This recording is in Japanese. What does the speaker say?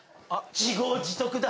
自業自得だ。